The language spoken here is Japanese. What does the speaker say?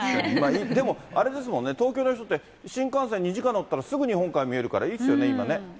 でもあれですもんね、東京の人って、新幹線２時間乗ったら、すぐ日本海見えるから、いいですよね、今ね。